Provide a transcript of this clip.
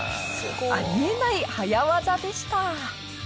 あり得ない早技でした。